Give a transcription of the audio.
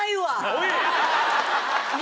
おい！